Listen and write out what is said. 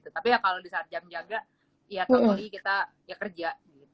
tapi kalau di saat jam jaga ya kemungkinan kita kerja